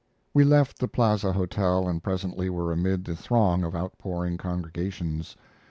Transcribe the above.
We left the Plaza Hotel and presently were amid the throng of outpouring congregations.